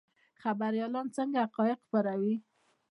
خبریالان څنګه حقایق خپروي؟